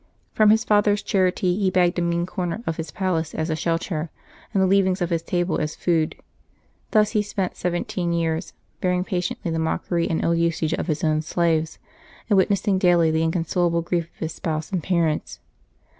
From his father's charity he begged a mean corner of his palace as a shelter, and the leavings of his table as food. Thus he spent seventeen years, bear ing patiently the mockery and ill usage of his own slaves, and witnessing daily the inconsolable grief of his spouse and parents.